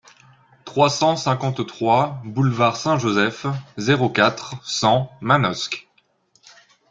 trois cent cinquante-trois boulevard Saint-Joseph, zéro quatre, cent, Manosque